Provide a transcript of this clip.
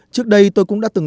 trước đây tôi cũng đã từng